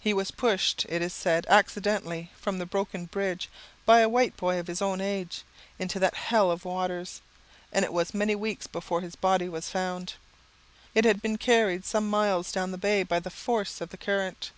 He was pushed, it is said accidentally, from the broken bridge, by a white boy of his own age, into that hell of waters, and it was many weeks before his body was found; it had been carried some miles down the bay by the force of the current.